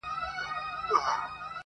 په لېمو کي راته وایي زما پوښتلي جوابونه,